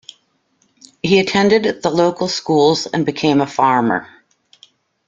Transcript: He attended the local schools and became a farmer.